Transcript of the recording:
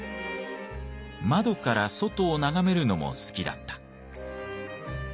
窓から外を眺めるのも好きだった。